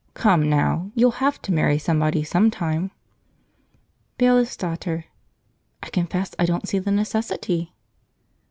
Come now, you'll have to marry somebody, sometime." Bailiff's Daughter. "I confess I don't see the necessity."